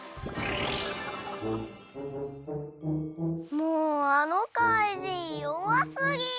もうあのかいじんよわすぎ！